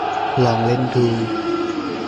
ลองเล่นดู